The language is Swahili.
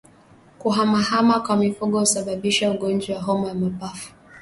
Kuhamahama kwa mifugo husababisha ugonjwa wa homa ya mapafu